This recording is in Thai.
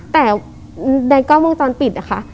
แต่ในกล้องวงจรปิดนะคะ